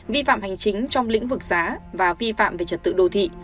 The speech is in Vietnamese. vi phạm hành chính trong lĩnh vực giá và vi phạm về trật tự đô thị